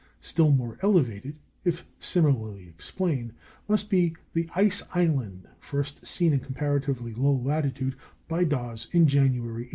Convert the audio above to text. Still more elevated, if similarly explained, must be the "ice island" first seen in a comparatively low latitude by Dawes in January, 1865.